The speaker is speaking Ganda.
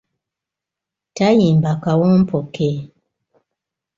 Tayimba kawompo ke .